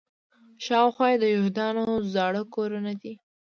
شاوخوا یې د یهودانو زاړه کورونه دي.